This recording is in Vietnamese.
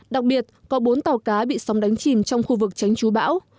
đặc biệt có bốn tàu cá bị sóng đánh chìm trong khu vực tránh chú bão